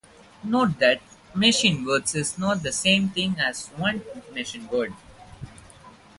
Note that machine words is not the same thing as "one" machine word.